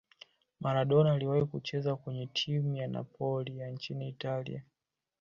maradona aliwahi kucheza kwenye timu ya napoli ya nchini italia